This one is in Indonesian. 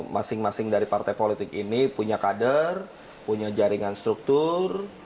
masing masing dari partai politik ini punya kader punya jaringan struktur